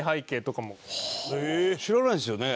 知らないですよね。